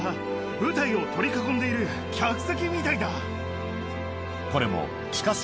舞台を取り囲んでいる客席みたいだ。